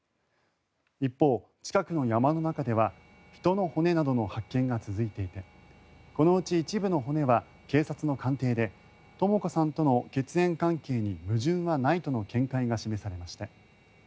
一方、近くの山の中では人の骨などの発見が続いていてこのうち一部の骨は警察の鑑定でとも子さんとの血縁関係に矛盾はないとの見解が示されました。